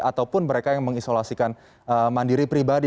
ataupun mereka yang mengisolasikan mandiri pribadi